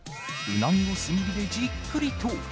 うなぎを炭火でじっくりと。